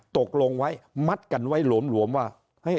ตกลงไว้มัดกันไว้หลวมว่า